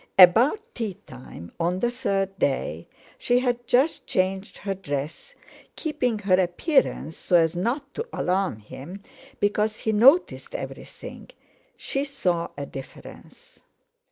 About tea time on the third day—she had just changed her dress, keeping her appearance so as not to alarm him, because he noticed everything—she saw a difference.